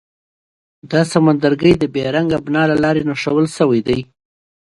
دا سمندرګي د بیرنګ ابنا له لارې نښلول شوي.